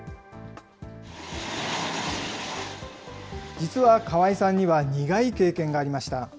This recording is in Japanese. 実は川井さんには、苦い経験がありました。